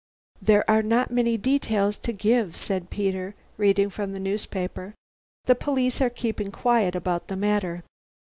"There are not many details to give," said Peter, reading from the newspaper, "the police are keeping quiet about the matter."